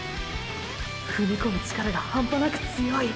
踏み込む力が半端なく強い。